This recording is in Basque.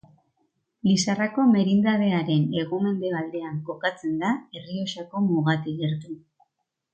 Lizarrako merindadearen hego-mendebaldean kokatzen da Errioxako mugatik gertu.